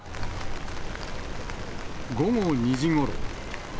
午後２時ごろ。